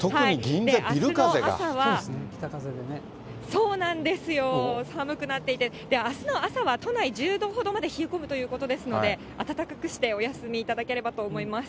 そうなんですよ、寒くなっていて、あすの朝は都内１０度ほどまで冷え込むということですので、暖かくしてお休みいただければと思います。